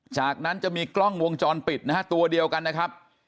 จากนั้นจะมีกล้องวงจรปิดนะฮะตัวเดียวกันนะครับ